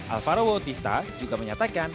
alvaro bautista juga menyatakan